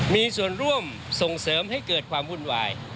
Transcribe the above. มีส่วนร่วมส่งเสริมให้เกิดความวุ่นวาย